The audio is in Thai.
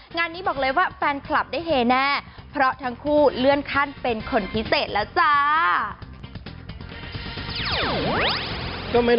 งานนี้บอกเลยว่าแฟนคลับได้เฮแน่เพราะทั้งคู่เลื่อนขั้นเป็นคนพิเศษแล้วจ้า